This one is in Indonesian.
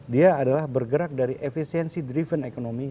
dia adalah bergerak dari efisiensi driven economy